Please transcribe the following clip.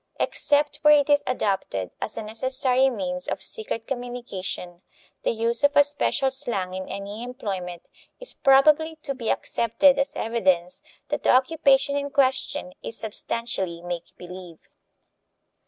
Except where it is adopted as a necessary means of secret communication, the use of a special slang in any employment is probably to be accepted as evidence that the occupation in question is substantially make believe.